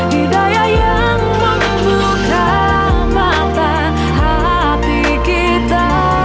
hidayah yang membutuhkan mata hati kita